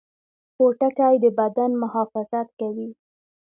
پوټکی د بدن محافظت کوي